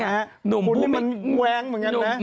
คุณนี่มันแกว้งเหมือนกันนะ